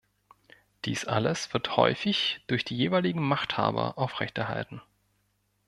Dies alles wird häufig durch die jeweiligen Machthaber aufrechterhalten.